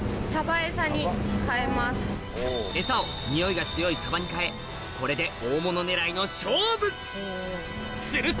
餌をニオイが強いサバに替えこれで大物狙いの勝負すると！